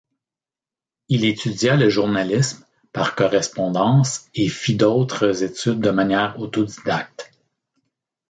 Il étudia le journalisme par correspondance et fit d'autres études de manière autodidacte.